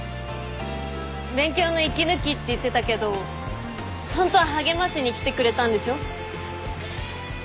勉強の息抜きって言ってたけどホントは励ましに来てくれたんでしょ？